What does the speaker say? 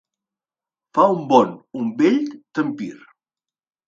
Fa un bon, un bell, tempir.